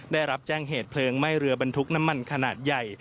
ได้รับแจ้งเหตุเพลิงไหม้เรือบรรทุกน้ำมันขนาดใหญ่